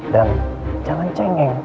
dan jangan cengeng